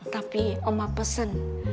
tapi oma pesen